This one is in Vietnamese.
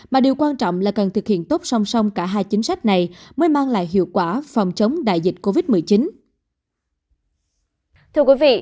mà điều quan trọng là cần thực hiện tốt song song cả hai chính sách này mới mang lại hiệu quả phòng chống đại dịch covid một mươi chín